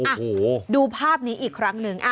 โอ้โหดูภาพนี้อีกครั้งหนึ่ง